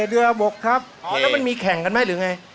เออมันมีแข่งกันไหมหรืองัย